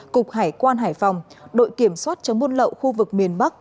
cục hải quan hải phòng đội kiểm soát chống buôn lậu khu vực miền bắc